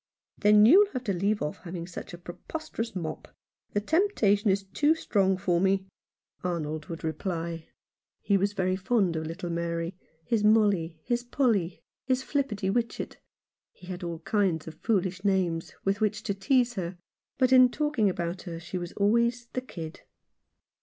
"Then you'll have to leave off having such a preposterous mop. The temptation is too strong for me," Arnold would reply. 53 Rough Justice. He was very fond of little Mary — his Molly, his Polly, his flippety witchet. He had all kinds of foolish names with which to tease her, but in talking about her she was always "the kid."